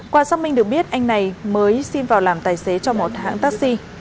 qua xác minh được biết anh này mới xin vào làm tài xế cho một hãng taxi